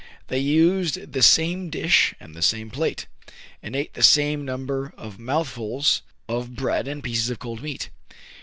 They used the same dish and the same plate, and ate the same number of mouthfuls of bread and pieces of cold meat.